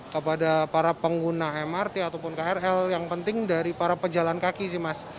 kepada para pengguna mrt ataupun krl yang penting dari para pejalan kaki sih mas